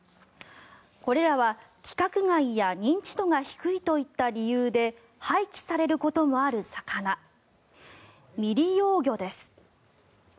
これらは規格外や認知度が低いといった理由で廃棄されることもある魚未利用魚です。